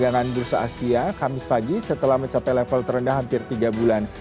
perdagangan bursa asia kamis pagi setelah mencapai level terendah hampir tiga bulan